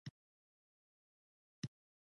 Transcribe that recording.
سولر پمپونه د کرنې لپاره کارول کیږي